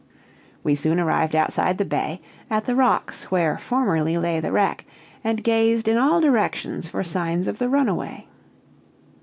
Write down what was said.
We soon arrived outside the bay, at the rocks where formerly lay the wreck, and gazed in all directions for signs of the runaway.